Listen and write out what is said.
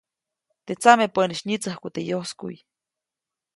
Teʼ tsamepäʼnis nyitsäjku teʼ yoskuʼy.